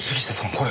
これ。